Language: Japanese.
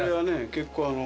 結構あの。